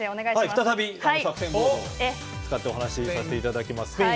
再び作戦ボードを使ってお話をさせていただきます。